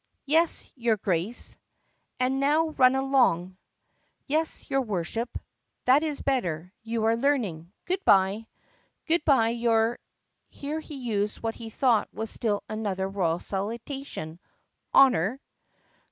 "Yes, your Grace." "And now run along." "Yes, your Worship." "That is better; you are learning. Good by." "Good by, your" — here he used what he thought was still another royal salutation — "Honor."